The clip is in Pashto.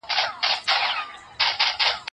خلګو پخوا د اقتصادي پلانونو په اهمیت نه پوهیدل.